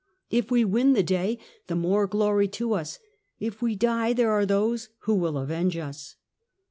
If we win the day the more glory to us; if we die there are those who will avenge us."